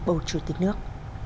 bầu chủ tịch nước